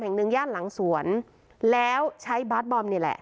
แห่งหนึ่งย่านหลังสวนแล้วใช้บาสบอมนี่แหละ